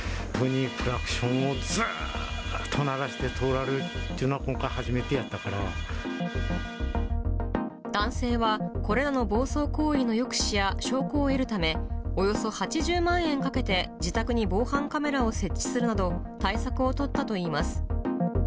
クラクションをずーっと鳴らして通られるっていうのは、今回初め男性は、これらの暴走行為の抑止や証拠を得るため、およそ８０万円かけて、自宅に防犯カメラを設置するなど、対策を取ったといいます。